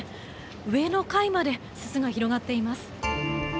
上の階まですすが広がっています。